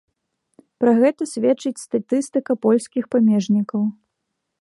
Пра гэта сведчыць статыстыка польскіх памежнікаў.